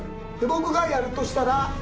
僕がやるとしたら。